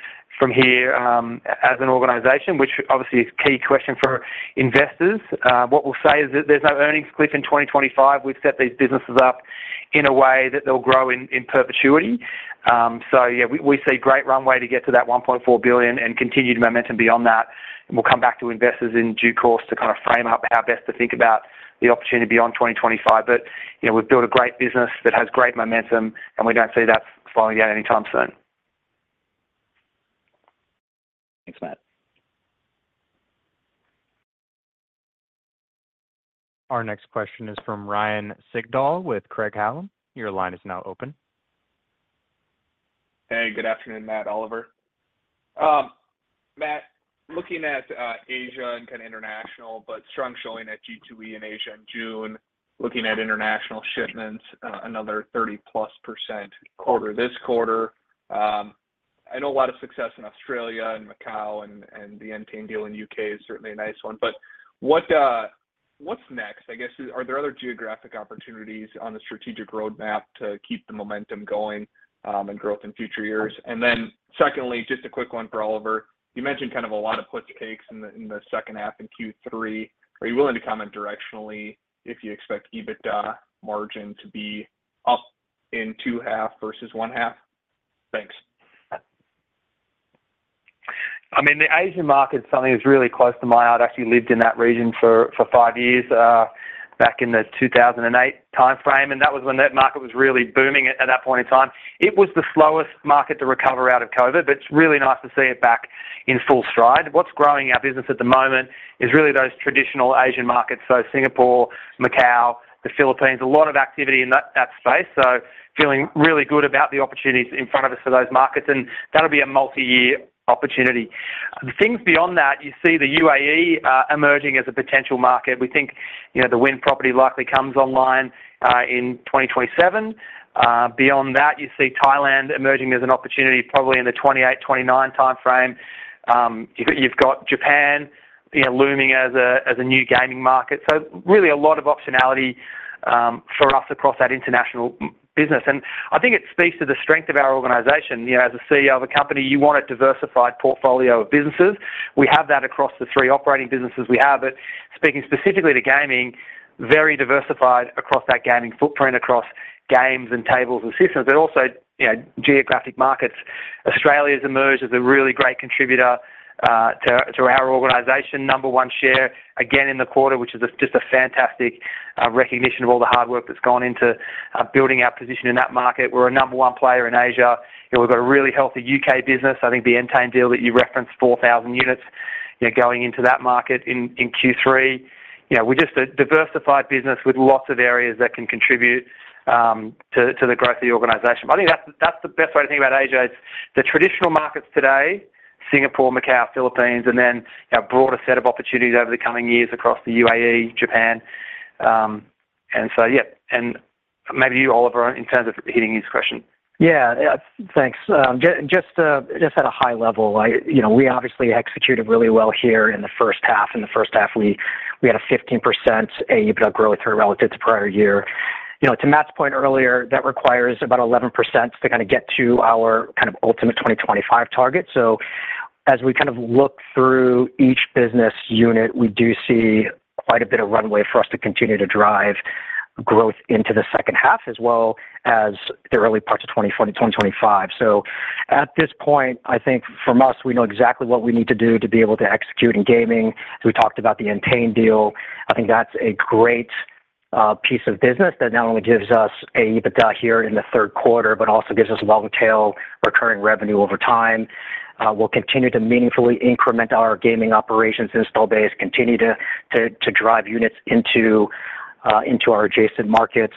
here as an organization, which obviously is a key question for investors. What we'll say is that there's no earnings cliff in 2025. We've set these businesses up in a way that they'll grow in perpetuity. So yeah, we see great runway to get to that $1.4 billion and continued momentum beyond that. We'll come back to investors in due course to kind of frame up how best to think about the opportunity beyond 2025. But, you know, we've built a great business that has great momentum, and we don't see that falling down anytime soon. Thanks, Matt. Our next question is from Ryan Sigdahl with Craig-Hallum. Your line is now open. Hey, good afternoon, Matt and Oliver. Matt, looking at Asia and kind of international, but strong showing at G2E in Asia in June, looking at international shipments, another 30%+ quarter this quarter. I know a lot of success in Australia and Macau and the Entain deal in U.K. is certainly a nice one. But what's next? I guess, are there other geographic opportunities on the strategic roadmap to keep the momentum going, and growth in future years? And then secondly, just a quick one for Oliver. You mentioned kind of a lot of push takes in the second half in Q3. Are you willing to comment directionally if you expect EBITDA margin to be up in second half versus first half? Thanks. I mean, the Asian market is something that's really close to my heart. I actually lived in that region for five years back in the 2008 timeframe, and that was when that market was really booming at that point in time. It was the slowest market to recover out of COVID, but it's really nice to see it back in full stride. What's growing our business at the moment is really those traditional Asian markets, so Singapore, Macau, the Philippines, a lot of activity in that space, so feeling really good about the opportunities in front of us for those markets, and that'll be a multi-year opportunity. The things beyond that, you see the UAE emerging as a potential market. We think, you know, the Wynn property likely comes online in 2027. Beyond that, you see Thailand emerging as an opportunity, probably in the 2028-2029 timeframe. You've got Japan, you know, looming as a new gaming market. So really a lot of optionality for us across that international business. And I think it speaks to the strength of our organization. You know, as a CEO of a company, you want a diversified portfolio of businesses. We have that across the three operating businesses we have, but speaking specifically to gaming, very diversified across that gaming footprint, across games and tables and systems, but also, you know, geographic markets. Australia's emerged as a really great contributor to our organization. Number one share, again in the quarter, which is just a fantastic recognition of all the hard work that's gone into building our position in that market. We're a number one player in Asia, and we've got a really healthy U.K. business. I think the Entain deal that you referenced, 4,000 units, you know, going into that market in Q3. You know, we're just a diversified business with lots of areas that can contribute to the growth of the organization. But I think that's the best way to think about Asia. It's the traditional markets today, Singapore, Macau, Philippines, and then a broader set of opportunities over the coming years across the UAE, Japan. And so, yeah, and maybe you, Oliver, in terms of hitting his question. Yeah, thanks. Just at a high level, you know, we obviously executed really well here in the first half. In the first half, we had a 15% AEBITDA growth rate relative to prior year. You know, to Matt's point earlier, that requires about 11% to kind of get to our kind of ultimate 2025 target. So, as we kind of look through each business unit, we do see quite a bit of runway for us to continue to drive growth into the second half, as well as the early parts of 2024-2025. So at this point, I think for us, we know exactly what we need to do to be able to execute in gaming. We talked about the Entain deal. I think that's a great piece of business that not only gives us an AEBITDA here in the third quarter, but also gives us long tail recurring revenue over time. We'll continue to meaningfully increment our gaming operations install base, continue to drive units into our adjacent markets.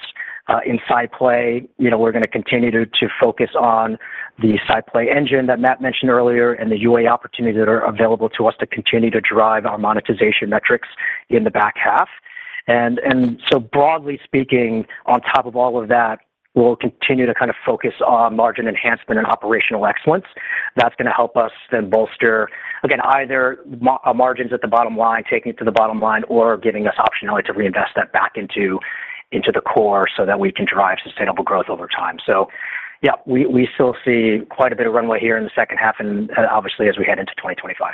In SciPlay, you know, we're going to continue to focus on the SciPlay Engine that Matt mentioned earlier and the UA opportunities that are available to us to continue to drive our monetization metrics in the back half. And so broadly speaking, on top of all of that, we'll continue to kind of focus on margin enhancement and operational excellence. That's going to help us then bolster, again, either margins at the bottom line, taking it to the bottom line, or giving us optionality to reinvest that back into, into the core so that we can drive sustainable growth over time. So yeah, we, we still see quite a bit of runway here in the second half and, and obviously as we head into 2025.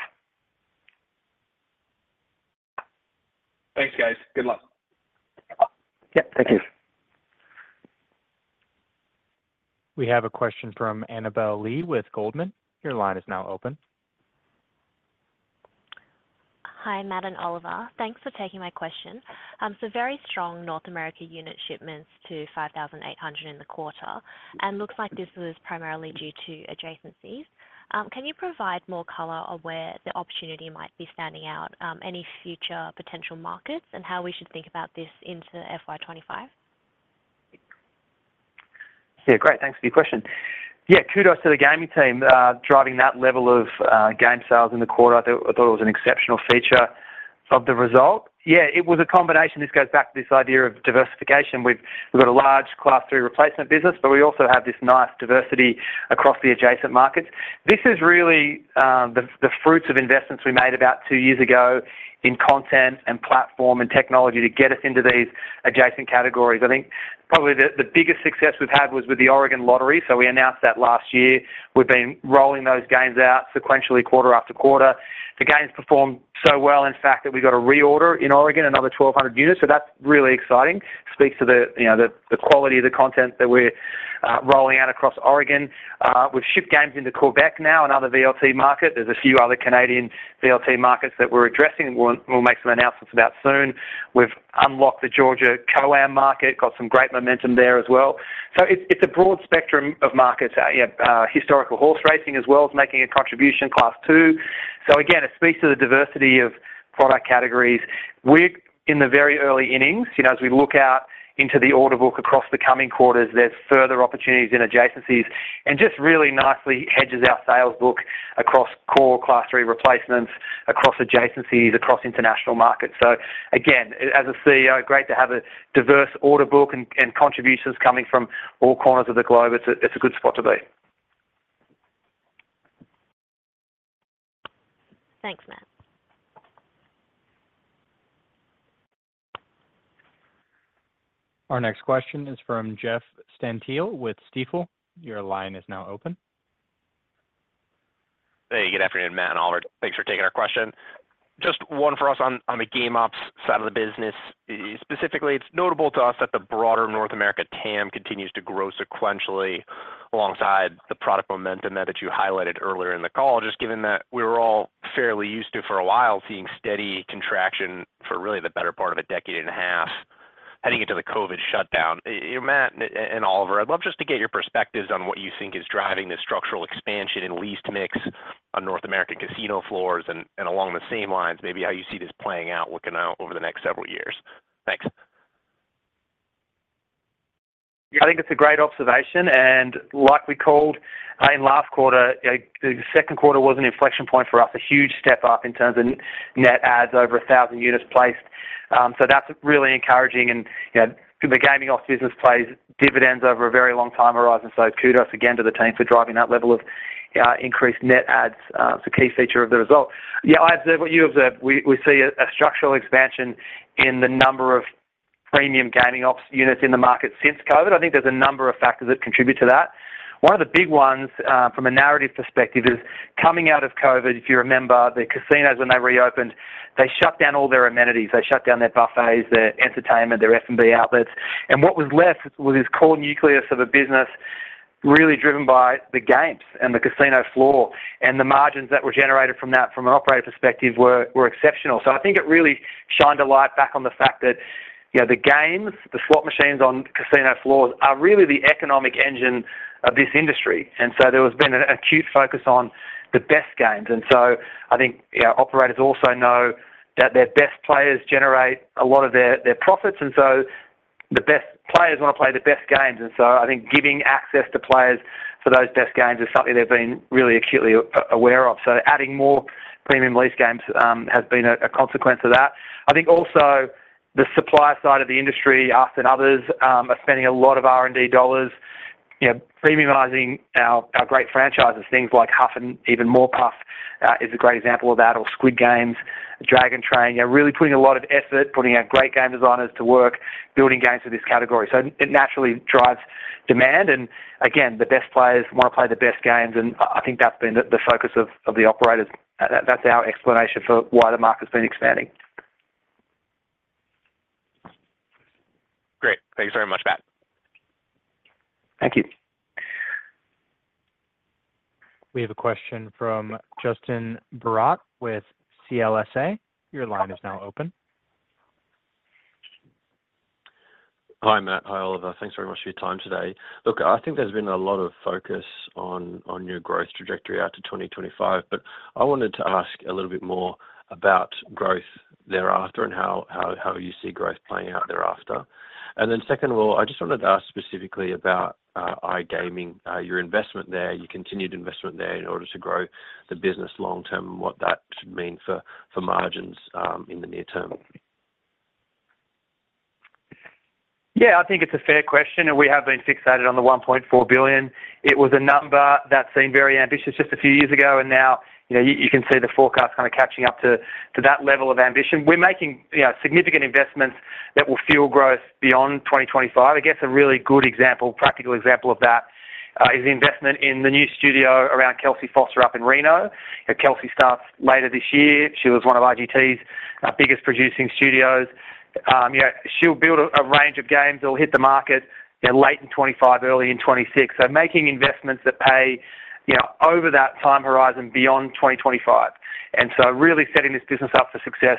Thanks, guys. Good luck. Yeah. Thank you. We have a question from Annabel Li with Goldman Sachs. Your line is now open. Hi, Matt and Oliver. Thanks for taking my question. So very strong North America unit shipments to 5,800 in the quarter, and looks like this was primarily due to adjacencies. Can you provide more color on where the opportunity might be standing out, any future potential markets and how we should think about this into FY 2025? Yeah, great. Thanks for your question. Yeah, kudos to the gaming team driving that level of game sales in the quarter. I thought it was an exceptional feature of the result. Yeah, it was a combination. This goes back to this idea of diversification. We've got a large Class III replacement business, but we also have this nice diversity across the adjacent markets. This is really the fruits of investments we made about two years ago in content and platform and technology to get us into these adjacent categories. I think probably the biggest success we've had was with the Oregon Lottery, so we announced that last year. We've been rolling those games out sequentially, quarter after quarter. The games performed so well, in fact, that we got a reorder in Oregon, another 1,200 units. So that's really exciting. Speaks to the, you know, the quality of the content that we're rolling out across Oregon. We've shipped games into Quebec now, another VLT market. There's a few other Canadian VLT markets that we're addressing, and we'll make some announcements about soon. We've unlocked the Georgia COAM market, got some great momentum there as well. So it's a broad spectrum of markets. Historical horse racing as well as making a contribution, Class II. So again, it speaks to the diversity of product categories. We're in the very early innings. You know, as we look out into the order book across the coming quarters, there's further opportunities in adjacencies and just really nicely hedges our sales book across core Class III replacements, across adjacencies, across international markets. So again, as a CEO, great to have a diverse order book and contributions coming from all corners of the globe. It's a good spot to be. Thanks, Matt. Our next question is from Jeff Stantial with Stifel. Your line is now open. Hey, good afternoon, Matt and Oliver. Thanks for taking our question. Just one for us on the game ops side of the business. Specifically, it's notable to us that the broader North America TAM continues to grow sequentially alongside the product momentum there that you highlighted earlier in the call. Just given that we were all fairly used to, for a while, seeing steady contraction for really the better part of a decade and a half, heading into the COVID shutdown. Matt and Oliver, I'd love just to get your perspectives on what you think is driving this structural expansion and lease mix on North American casino floors, and along the same lines, maybe how you see this playing out, working out over the next several years. Thanks. I think it's a great observation, and like we called in last quarter, the second quarter was an inflection point for us, a huge step up in terms of net adds, over 1,000 units placed. So that's really encouraging. And, you know, the gaming ops business pays dividends over a very long time horizon. So kudos again to the team for driving that level of increased net adds. It's a key feature of the result. Yeah, I observe what you observe. We see a structural expansion in the number of premium gaming ops units in the market since COVID. I think there's a number of factors that contribute to that. One of the big ones from a narrative perspective is coming out of COVID, if you remember, the casinos, when they reopened, they shut down all their amenities. They shut down their buffets, their entertainment, their F&B outlets, and what was left was this core nucleus of a business really driven by the games and the casino floor. The margins that were generated from that, from an operator perspective, were exceptional. So I think it really shined a light back on the fact that, you know, the games, the slot machines on casino floors are really the economic engine of this industry. So there has been an acute focus on the best games. So I think, yeah, operators also know that their best players generate a lot of their profits, and so the best players want to play the best games. So I think giving access to players for those best games is something they've been really acutely aware of. So adding more premium lease games has been a consequence of that. I think also the supplier side of the industry, us and others, are spending a lot of R&D dollars, you know, premiumizing our great franchises, things like Huff N' Even More Puff is a great example of that or Squid Game, Dragon Train. You know, really putting a lot of effort, putting our great game designers to work, building games for this category. So it naturally drives demand, and again, the best players want to play the best games, and I think that's been the focus of the operators. That's our explanation for why the market's been expanding. Great. Thank you very much, Matt. Thank you. We have a question from Justin Barratt with CLSA. Your line is now open. Hi, Matt. Hi, Oliver. Thanks very much for your time today. Look, I think there's been a lot of focus on your growth trajectory out to 2025, but I wanted to ask a little bit more about growth thereafter and how you see growth playing out thereafter. And then secondly, I just wanted to ask specifically about iGaming, your investment there, your continued investment there in order to grow the business long term, and what that should mean for margins in the near term. Yeah, I think it's a fair question, and we have been fixated on the $1.4 billion. It was a number that seemed very ambitious just a few years ago, and now, you know, you can see the forecast kind of catching up to that level of ambition. We're making, you know, significant investments that will fuel growth beyond 2025. I guess a really good example, practical example of that, is the investment in the new studio around Kelsy Foster up in Reno. So Kelsy starts later this year. She was one of IGT's biggest producing studios. Yeah, she'll build a range of games that will hit the market, you know, late in 2025, early in 2026. So making investments that pay, you know, over that time horizon beyond 2025, and so really setting this business up for success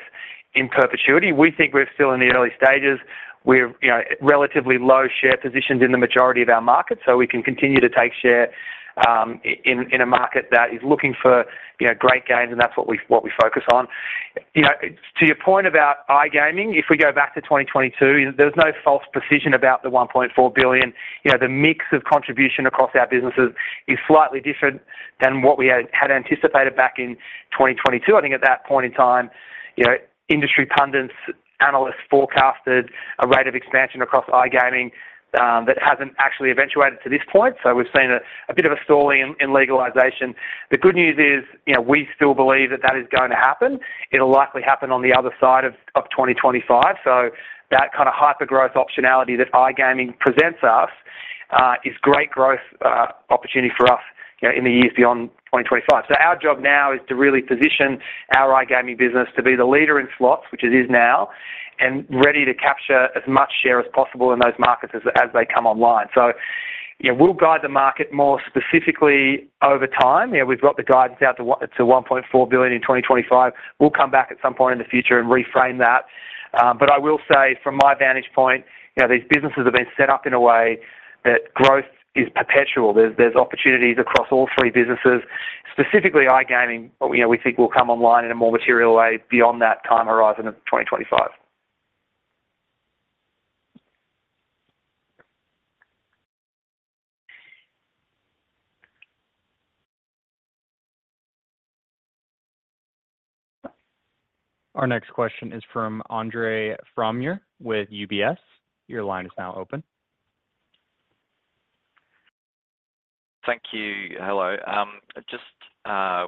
in perpetuity. We think we're still in the early stages. We're, you know, relatively low share positions in the majority of our markets, so we can continue to take share in a market that is looking for, you know, great games, and that's what we focus on. You know, to your point about iGaming, if we go back to 2022, there's no false precision about the $1.4 billion. You know, the mix of contribution across our businesses is slightly different than what we had anticipated back in 2022. I think at that point in time, you know, industry pundits, analysts forecasted a rate of expansion across iGaming that hasn't actually eventuated to this point. So we've seen a bit of a stalling in legalization. The good news is, you know, we still believe that that is going to happen. It'll likely happen on the other side of 2025. So that kind of hypergrowth optionality that iGaming presents us is great growth opportunity for us, you know, in the years beyond 2025. So our job now is to really position our iGaming business to be the leader in slots, which it is now, and ready to capture as much share as possible in those markets as they come online. So, you know, we'll guide the market more specifically over time. You know, we've got the guidance out to $1.4 billion in 2025. We'll come back at some point in the future and reframe that. But I will say from my vantage point, you know, these businesses have been set up in a way that growth is perpetual. There's opportunities across all three businesses, specifically iGaming, but, you know, we think will come online in a more material way beyond that time horizon of 2025. Our next question is from Andre Fromyhr with UBS. Your line is now open. Thank you. Hello. I just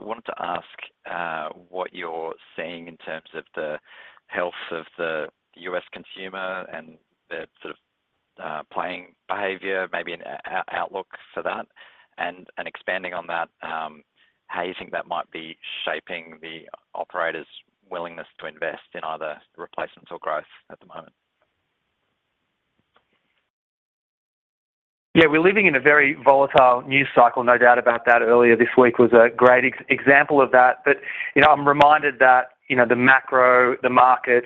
wanted to ask what you're seeing in terms of the health of the U.S. consumer and the sort of playing behavior, maybe an outlook for that. And expanding on that, how you think that might be shaping the operators' willingness to invest in either replacements or growth at the moment? Yeah, we're living in a very volatile news cycle, no doubt about that. Earlier this week was a great example of that. But, you know, I'm reminded that, you know, the macro, the markets,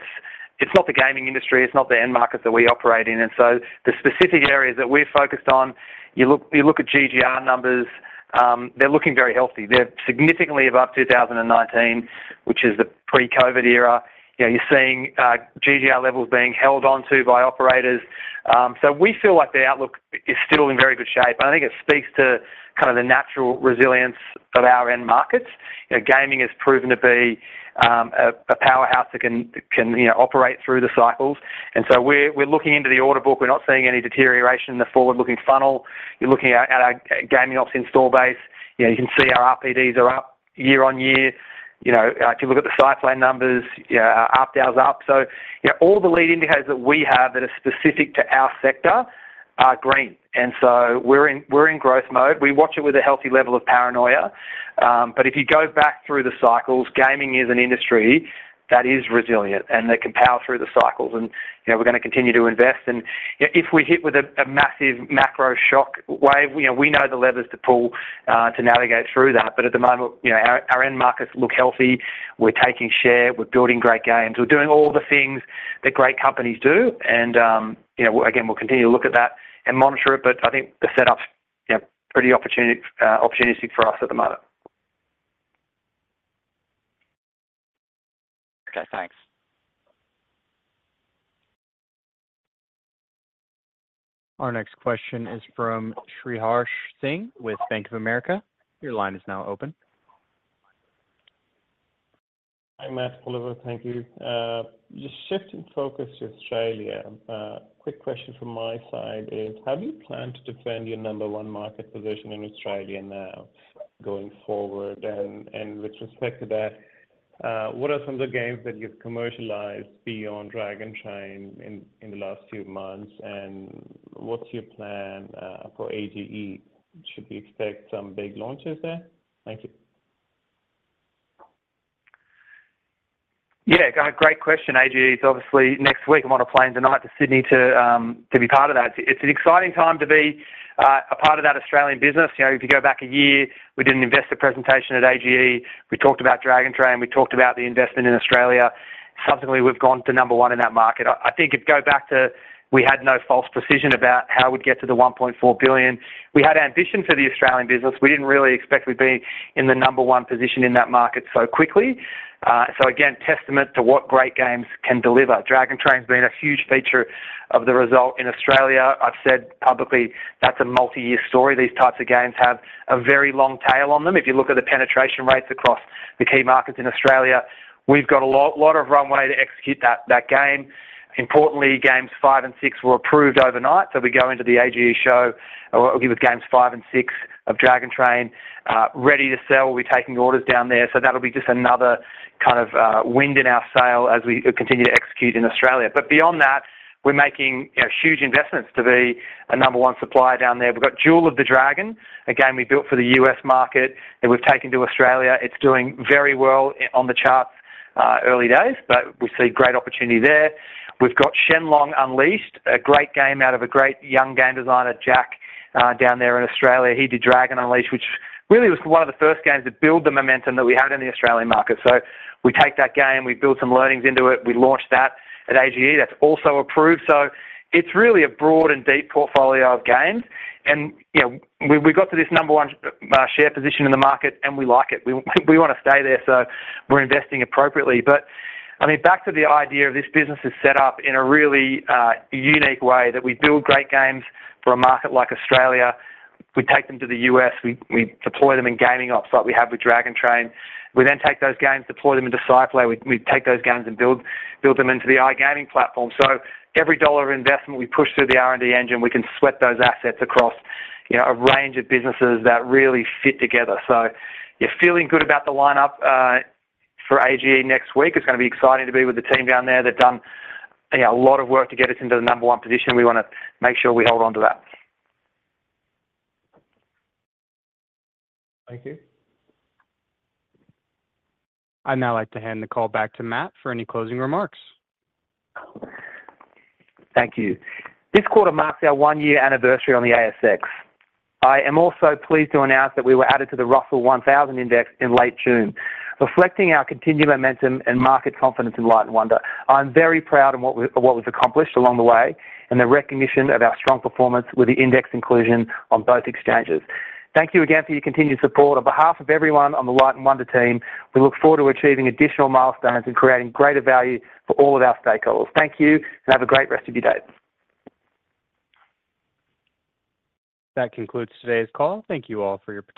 it's not the gaming industry, it's not the end market that we operate in. And so the specific areas that we're focused on, you look, you look at GGR numbers, they're looking very healthy. They're significantly above 2019, which is the pre-COVID era. You know, you're seeing GGR levels being held on to by operators. So we feel like the outlook is still in very good shape, and I think it speaks to kind of the natural resilience of our end markets. You know, gaming has proven to be a powerhouse that can, you know, operate through the cycles. And so we're looking into the order book. We're not seeing any deterioration in the forward-looking funnel. You're looking at our gaming ops install base. You know, you can see our RPDs are up year on year. You know, if you look at the site plan numbers, you know, RPDs up. So, you know, all the lead indicators that we have that are specific to our sector are green, and so we're in growth mode. We watch it with a healthy level of paranoia, but if you go back through the cycles, gaming is an industry that is resilient and that can power through the cycles. And, you know, we're gonna continue to invest and, you know, if we're hit with a massive macro shock wave, you know, we know the levers to pull to navigate through that. But at the moment, you know, our end markets look healthy, we're taking share, we're building great games. We're doing all the things that great companies do, and, you know, again, we'll continue to look at that and monitor it, but I think the setup, you know, pretty opportunistic for us at the moment. Okay, thanks. Our next question is from Sriharsh Singh with Bank of America. Your line is now open. Hi, Matt, Oliver. Thank you. Just shifting focus to Australia, quick question from my side is, have you planned to defend your number one market position in Australia now going forward? And, and with respect to that, what are some of the games that you've commercialized beyond Dragon Train in, in the last few months, and what's your plan, for AGE? Should we expect some big launches there? Thank you. Yeah, great question. AGE is obviously next week. I'm on a plane tonight to Sydney to be part of that. It's an exciting time to be a part of that Australian business. You know, if you go back a year, we did an investor presentation at AGE. We talked about Dragon Train, we talked about the investment in Australia. Subsequently, we've gone to number one in that market. I think if you go back to we had no false precision about how we'd get to the $1.4 billion. We had ambition for the Australian business. We didn't really expect we'd be in the number one position in that market so quickly. So again, testament to what great games can deliver. Dragon Train's been a huge feature of the result in Australia. I've said publicly, that's a multi-year story. These types of games have a very long tail on them. If you look at the penetration rates across the key markets in Australia, we've got a lot, lot of runway to execute that, that game. Importantly, games 5 and 6 were approved overnight, so we go into the AGE show with games 5 and 6 of Dragon Train ready to sell. We'll be taking orders down there, so that'll be just another kind of wind in our sail as we continue to execute in Australia. But beyond that, we're making, you know, huge investments to be a number one supplier down there. We've got Jewel of the Dragon, a game we built for the U.S. market, and we've taken to Australia. It's doing very well on the charts, early days, but we see great opportunity there. We've got Shenlong Unleashed, a great game out of a great young game designer, Jack, down there in Australia. He did Dragon Unleashed, which really was one of the first games to build the momentum that we had in the Australian market. So we take that game, we build some learnings into it, we launched that at AGE. That's also approved. So it's really a broad and deep portfolio of games. And, you know, we, we got to this number one share position in the market, and we like it. We, we wanna stay there, so we're investing appropriately. But, I mean, back to the idea of this business is set up in a really unique way, that we build great games for a market like Australia. We take them to the U.S., we, we deploy them in gaming ops like we have with Dragon Train. We then take those games, deploy them into SciPlay. We take those games and build them into the iGaming platform. So every dollar of investment we push through the R&D engine, we can sweat those assets across, you know, a range of businesses that really fit together. So you're feeling good about the lineup for AGE next week. It's gonna be exciting to be with the team down there. They've done, you know, a lot of work to get us into the number one position. We wanna make sure we hold on to that. Thank you. I'd now like to hand the call back to Matt for any closing remarks. Thank you. This quarter marks our one-year anniversary on the ASX. I am also pleased to announce that we were added to the Russell 1000 Index in late June, reflecting our continued momentum and market confidence in Light & Wonder. I'm very proud of what was accomplished along the way and the recognition of our strong performance with the index inclusion on both exchanges. Thank you again for your continued support. On behalf of everyone on the Light & Wonder team, we look forward to achieving additional milestones and creating greater value for all of our stakeholders. Thank you, and have a great rest of your day. That concludes today's call. Thank you all for your participation.